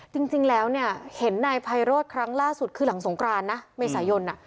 จริงแล้วเนี่ยเห็นนายไพโรธครั้งล่าสุดคือหลังสงกรานนะเมษายน